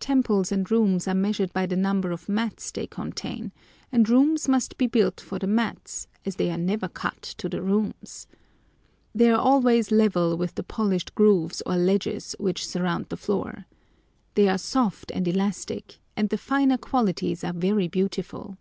Temples and rooms are measured by the number of mats they contain, and rooms must be built for the mats, as they are never cut to the rooms. They are always level with the polished grooves or ledges which surround the floor. They are soft and elastic, and the finer qualities are very beautiful.